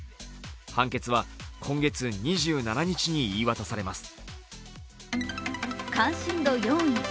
判決は今月２７日に言い渡されます。